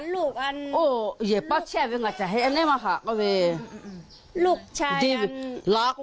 ลูกชายอันลูกเบานี่ค่ะ